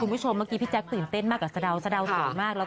คุณผู้ชมเมื่อกี้พี่แจ๊คตื่นเต้นมากกว่าสะดาวสะดาวสวยมาก